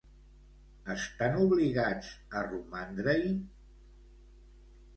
Estan obligats a romandre-hi?